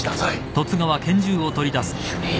主任。